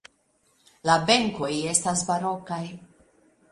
La benkoj estas barokaj.